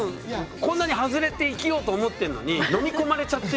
こんなに外れて生きようと思ってんのに飲み込まれちゃってる時ありますよね。